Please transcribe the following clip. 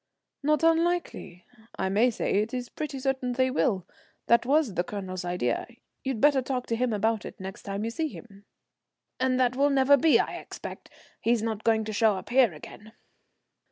"Not unlikely. I may say it is pretty certain they will. That was the Colonel's idea; you'd better talk to him about it next time you see him." "And that will be never, I expect. He's not going to show up here again."